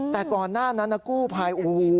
แต่ก่อนหน้านั้นนะกู้ไพร